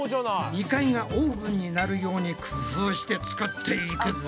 ２階がオーブンになるように工夫して作っていくぞ。